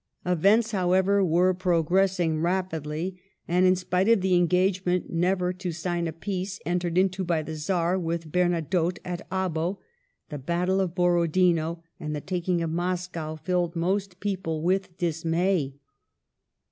Events, however, were progressing rapidly, and, in spite of the engagement never to sign a peace entered into by the Czar with Bernadotte at Abo, the battle of Borodino and the taking of Moscow filled most people with dis 12 Digitized by VjOOQIC 178 MADAME DE STAEVS may.